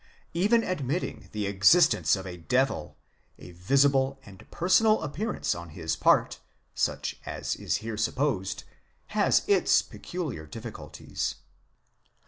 Even ad mitting the existence of a devil, a visible and personal appearance on his part, such as is here supposed, has its peculiar difficulties.